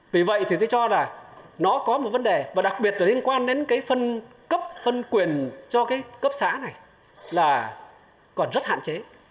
vì vậy thì tôi cho là nó có một vấn đề và đặc biệt là liên quan đến cái phân cấp phân quyền cho cái cấp xã này là còn rất hạn chế